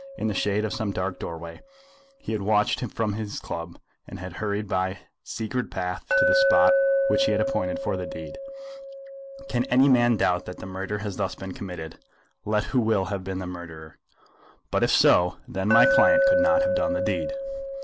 In the shade of some dark doorway he had watched him from his club, and had hurried by his secret path to the spot which he had appointed for the deed. Can any man doubt that the murder has thus been committed, let who will have been the murderer? But, if so, then my client could not have done the deed."